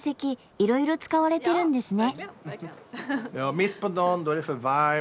いろいろ使われてるんですね。